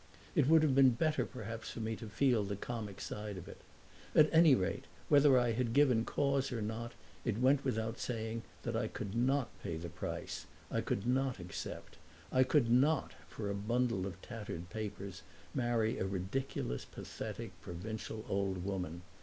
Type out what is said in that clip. It would have been better perhaps for me to feel the comic side of it. At any rate, whether I had given cause or not it went without saying that I could not pay the price. I could not accept. I could not, for a bundle of tattered papers, marry a ridiculous, pathetic, provincial old woman.